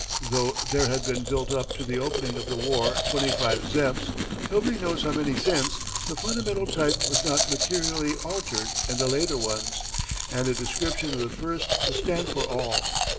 Though there had been built up to the opening of the war twenty five "Zeps" nobody knows how many since the fundamental type was not materially altered in the later ones, and a description of the first will stand for all.